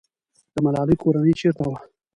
د ملالۍ کورنۍ چېرته وه؟